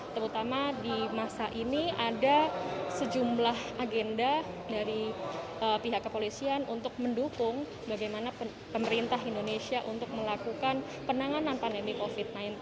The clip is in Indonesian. terutama di masa ini ada sejumlah agenda dari pihak kepolisian untuk mendukung bagaimana pemerintah indonesia untuk melakukan penanganan pandemi covid sembilan belas